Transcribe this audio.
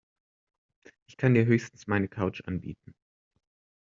Ich kann dir höchstens meine Couch anbieten.